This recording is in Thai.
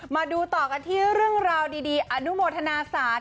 มาดูต่อกันที่เรื่องราวดีอนุโมทนาศาล